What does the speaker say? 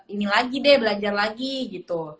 ini lagi deh belajar lagi gitu